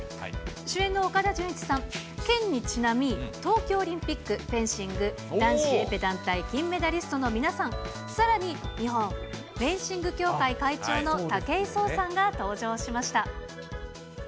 主演の岡田准一さん、剣にちなみ、東京オリンピック、フェンシング、男子エペ団体金メダリストの皆さん、さらに日本フェンシング協会会長の武井壮さんが登場しました。